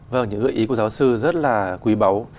vâng những gợi ý của giáo sư rất là quý báu